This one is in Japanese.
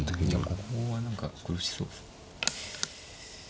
いやここは何か苦しそうです。